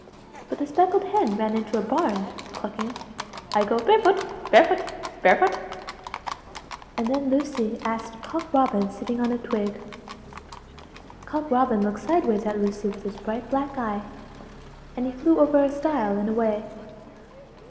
But the speckled hen ran into a barn, clucking "I go barefoot, barefoot, barefoot!" And then Lucie asked Cock Robin sitting on a twig. Cock Robin looked sideways at Lucie with his bright black eye, and he flew over a stile and away.